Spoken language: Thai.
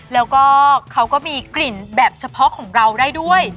แล้วก็เขาก็มีกลิ่นแบบเฉพาะของเราได้ด้วย